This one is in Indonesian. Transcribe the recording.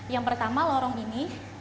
yang pertama lorong ini